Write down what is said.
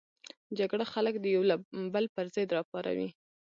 جګړه خلک د یو بل پر ضد راپاروي